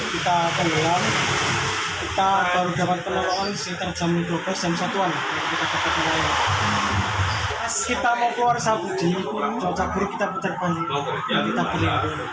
kita mau keluar sabu jadi cuaca buruk kita putar kembali